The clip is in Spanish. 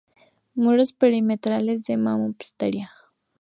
Muros perimetrales de mampostería.